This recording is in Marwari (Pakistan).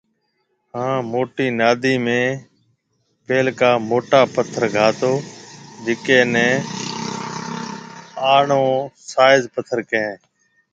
هان موٽِي نادي ۾ پيلڪا موٽا پٿر گھاتوجيڪيَ نيَ آلوُ سائز پٿر ڪيَ هيَ